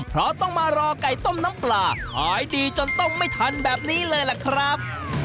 เพราะต้องมารอไก่ต้มน้ำปลาขายดีจนต้มไม่ทันแบบนี้เลยล่ะครับ